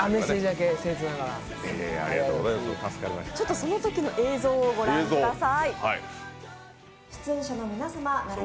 そのときの映像をご覧ください。